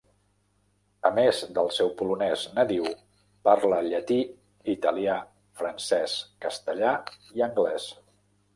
A més del seu polonès nadiu, parla llatí, italià, francès, castellà i anglès.